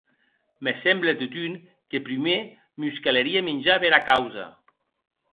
Me semble, totun, que prumèr mos calerie minjar bera causa.